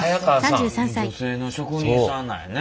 女性の職人さんなんやね。